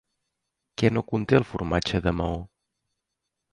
Què no conté el formatge de Maó?